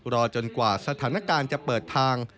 รอจนกว่าสถานการณ์จะเปิดทาง